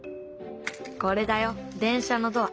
これだよ電車のドア。